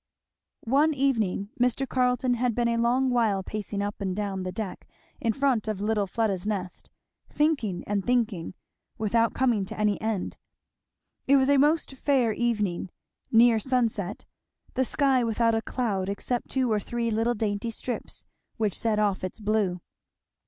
One evening Mr. Carleton had been a long while pacing up and down the deck in front of little Fleda's nest, thinking and thinking, without coming to any end. It was a most fair evening, near sunset, the sky without a cloud except two or three little dainty strips which set off its blue.